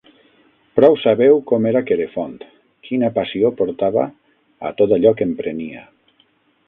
Prou sabeu com era Querefont, quina passió portava a tot allò que emprenia.